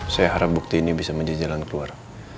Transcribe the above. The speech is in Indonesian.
saya harap bukti ini bisa menjajalan keluar